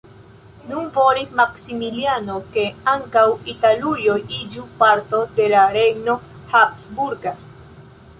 Nun volis Maksimiliano ke ankaŭ Italujo iĝu parto de la regno habsburga.